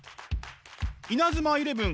「イナズマイレブン」